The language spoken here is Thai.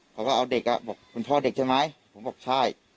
เขาก็เอาเด็กบอกคุณพ่อเด็กใช่ไหมผมบอกใช่